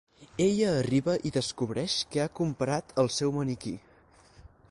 Ella arriba i descobreix que ha comprat el seu maniquí.